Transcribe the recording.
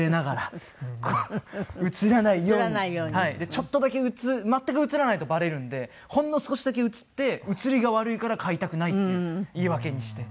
ちょっとだけ全く写らないとバレるんでほんの少しだけ写って写りが悪いから買いたくないっていう言い訳にして。